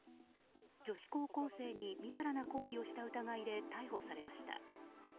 女子高校生にみだらな行為をした疑いで逮捕されました。